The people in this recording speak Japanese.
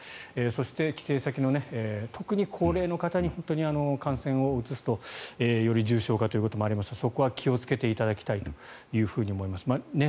そして、帰省先の特に高齢の方に本当に感染をうつすとより重症化ということもありますからそこは気をつけていただきたいと思います。